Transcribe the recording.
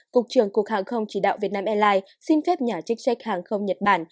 cục trưởng cục hàng không chỉ đạo việt nam airlines xin phép nhà chức trách hàng không nhật bản